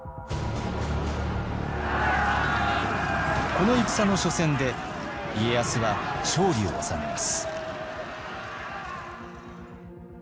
この戦の緒戦で家康は勝利を収めます。